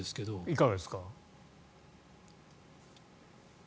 いかがですか？